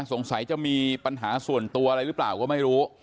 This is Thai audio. สงสัยจะมีปัญหาส่วนตัวอะไรหรือเปล่าก็ไม่รู้